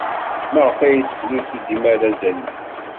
Maɣef ay tettlusu dima arazal-nni?